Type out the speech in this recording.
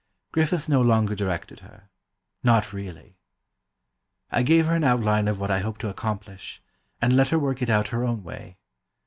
Griffith no longer directed her—not really. "I gave her an outline of what I hoped to accomplish, and let her work it out her own way.